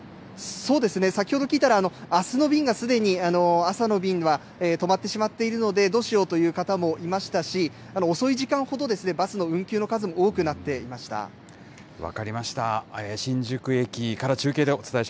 そうですね、先ほど聞いたら、あすの便がすでに朝の便は止まってしまっているので、どうしようという方もいましたし、遅い時間ほどバスの運休の数も多くなって分かりました。